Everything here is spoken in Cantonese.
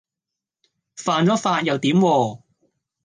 犯咗法又點喎